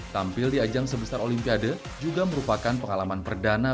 tampil di ajang sebesar olimpiade juga merupakan pengalaman perdana